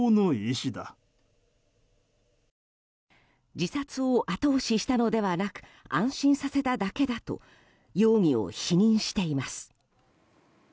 自殺を後押ししたのではなく安心させただけだと容疑を否認しています。